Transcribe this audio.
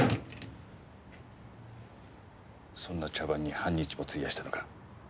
そんな茶番に半日も費やしたのか？